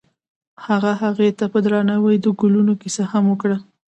هغه هغې ته په درناوي د ګلونه کیسه هم وکړه.